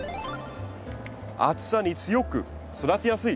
暑さに強く育てやすい。